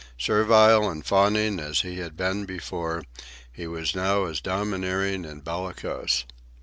Servile and fawning as he had been before, he was now as domineering and bellicose.